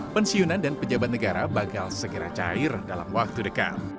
pensiunan dan pejabat negara bakal segera cair dalam waktu dekat